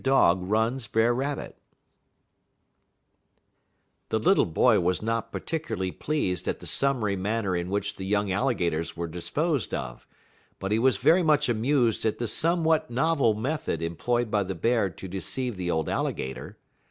DOG RUNS BRER RABBIT The little boy was not particularly pleased at the summary manner in which the young Alligators were disposed of; but he was very much amused at the somewhat novel method employed by the Bear to deceive the old Alligator.